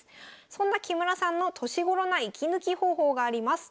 そんな木村さんの年頃な息抜き方法があります。